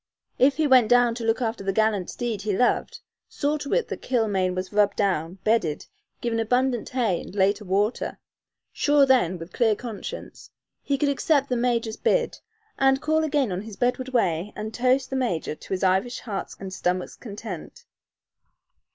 If he went down to look after the gallant steed he loved saw to it that Kilmaine was rubbed down, bedded, given abundant hay and later water sure then, with clear conscience, he could accept the major's "bid," and call again on his bedward way and toast the major to his Irish heart's and stomach's content.